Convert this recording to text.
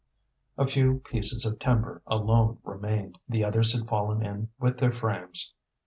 A few pieces of timber alone remained; the others had fallen in with their frames.